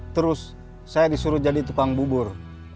terus saya disuruh jadi tukang bubur